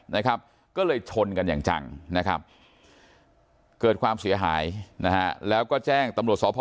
นะครับก็เลยชนกันอย่างจังนะครับเกิดความเสียหายนะฮะแล้วก็แจ้งตำรวจสพ